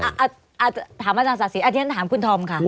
อ่ะอาจจะถามอาจารย์ศาสน์ศรีอันนี้ถามคุณธอมค่ะ